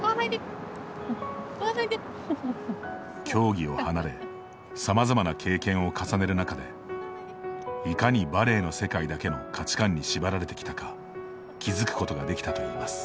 競技を離れさまざまな経験を重ねる中でいかにバレーの世界だけの価値観に縛られてきたか気付くことができたといいます。